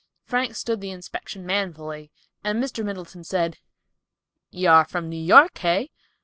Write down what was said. Frank stood the inspection manfully, and Mr. Middleton said, "You are from New York, hey?